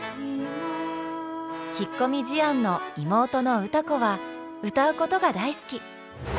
引っ込み思案の妹の歌子は歌うことが大好き。